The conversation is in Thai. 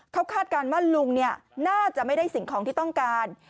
เขาคาดการณ์ว่าลุงน่าจะไม่ได้สิ่งของที่ต้องการ